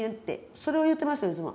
それを言うてますよいつも。